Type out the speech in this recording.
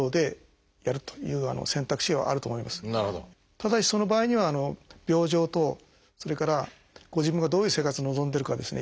ただしその場合には病状とそれからご自分がどういう生活を望んでるかですね